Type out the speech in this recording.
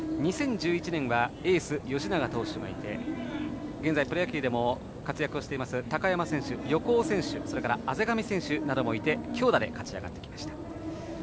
２０１１年はエース吉永投手がいて現在、プロ野球でも活躍している高山選手、横尾選手など強打で勝ち上がってきました。